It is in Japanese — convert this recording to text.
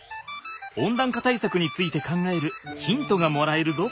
温暖化対策について考えるヒントがもらえるぞ。